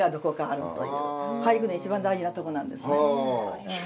俳句には一番大事なとこなんですね。